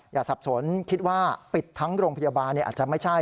สับสนคิดว่าปิดทั้งโรงพยาบาลอาจจะไม่ใช่